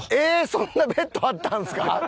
そんなベッドあったんすか？